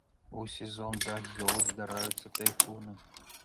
У сезон дажджоў здараюцца тайфуны.